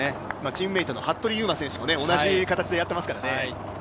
チームメートの服部勇馬選手も同じようにしてますからね。